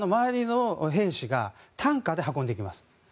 これは周りの兵士が担架で運んでいきます。